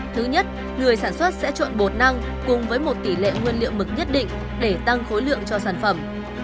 thứ nhất người sản xuất sẽ trộn bột năng cùng với một tỷ lệ nguyên liệu mực nhất định để tăng khối lượng cho sản phẩm